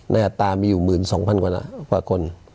แน่ตามีอยู่๑๒๐๐๐กว่าคน